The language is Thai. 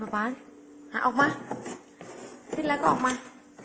ป่าวป่าวอ่ะออกมาติดแล้วก็ออกมา